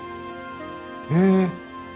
へえ！